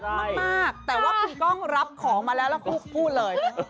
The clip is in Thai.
มากแต่ว่าคุณกล้องรับของมาแล้วแล้วคู่เลย